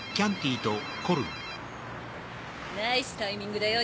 ナイスタイミングだよ